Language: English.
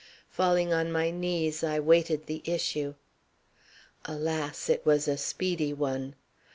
Falling on my knees I waited the issue. Alas! It was a speedy one.